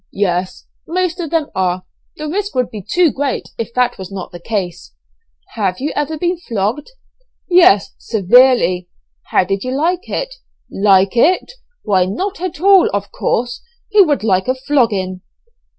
"Yes, most of them are; the risk would be too great if that was not the case." "Have you ever been flogged?" "Yes, severely." "How did you like it?" "Like it! why not at all, of course; who would like a flogging?"